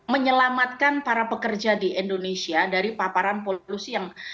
menyelamatkan para pekerja di indonesia dari paparan polusi yang